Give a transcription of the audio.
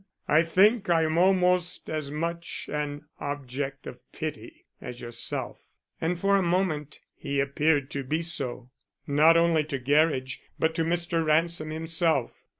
I think I am almost as much an object of pity as yourself." And for a moment he appeared to be so, not only to Gerridge, but to Mr. Ransom himself.